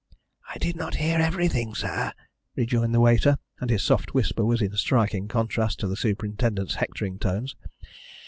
"I did not hear everything, sir," rejoined the waiter, and his soft whisper was in striking contrast to the superintendent's hectoring tones.